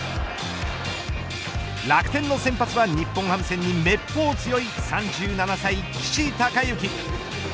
楽天の先発は日本ハムにめっぽう強い３７歳、岸孝之。